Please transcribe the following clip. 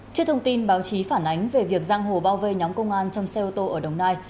trước thông tin báo chí phản ánh về việc giang hồ bao vây nhóm công an trong xe ô tô ở đồng nai